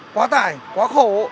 quá tải quá khổ